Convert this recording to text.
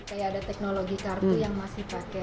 kayak ada teknologi kartu yang masih pakai